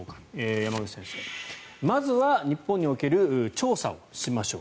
山口先生、まずは日本における調査をしましょう。